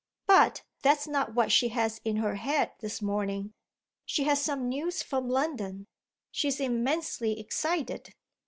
But that's not what she has in her head this morning. She has some news from London she's immensely excited."